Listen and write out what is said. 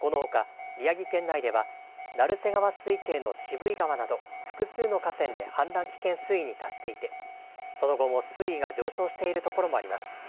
このほか、宮城県内では、鳴瀬川水系の渋井川など、複数の河川で氾濫危険水位に達していて、その後も水位が上昇している所もあります。